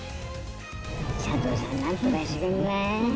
佐藤さん、なんとかしてくんない？